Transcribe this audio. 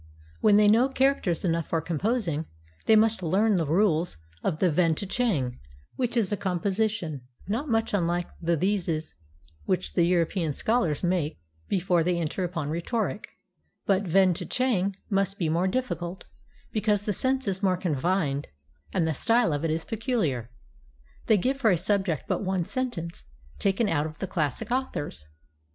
When they know characters enough for composing, they must learn the rules of the "Ven tchang," which is a composition not much unlike the theses which the European scholars make before they enter upon rhetoric ; but "Ven tchang" must be more difficult, because the sense is more confined and the style of it is peculiar. They give for a subject but one sentence, taken out of the classic authors.